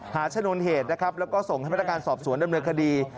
ชนวนเหตุนะครับแล้วก็ส่งให้พนักงานสอบสวนดำเนินคดี